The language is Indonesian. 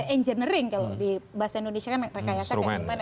engineering kalau di bahasa indonesia kan rekayasa